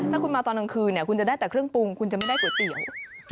ถ้าคุณมาตอนกลางคืนคุณจะได้แต่เครื่องปรุงคุณจะไม่ได้ก๋วยเตี๋ยว